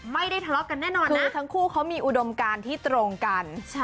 ไม่ได้ทะเลาะกันแน่นอนนะทั้งคู่เขามีอุดมการที่ตรงกัน